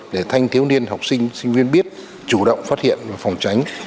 để thanh thiếu niên học sinh sinh viên biết chủ động phát hiện và phòng tránh